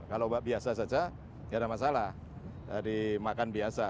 kalau ombak biasa saja tidak ada masalah dimakan biasa